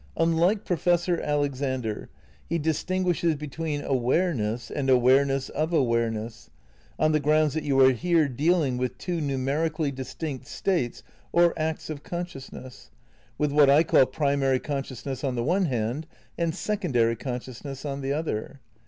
Unlike Professor Alexander, he distin guishes between awareness and awareness of aware ness, on the grounds that you are here dealing with two numerically distinct states or acts of consciousness, with what I call primary consciousness on the one hand and secondary consciousness on the other.